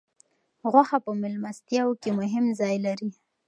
غوښه په میلمستیاوو کې مهم ځای لري.